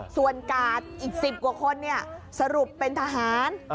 ส่วนกาดอีก๑๐กว่าคนสรุปเป็นทหาร